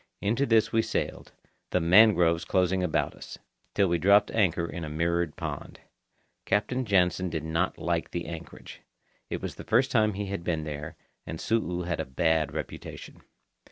Into this we sailed, the mangroves closing about us, till we dropped anchor in a mirrored pond. Captain Jansen did not like the anchorage. It was the first time he had been there, and Su'u had a bad reputation.